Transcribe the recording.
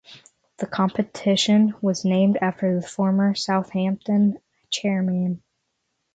The competition was named after the former Southampton Chairman.